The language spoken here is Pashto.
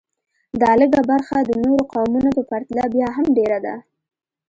دا لږه برخه د نورو قومونو په پرتله بیا هم ډېره ده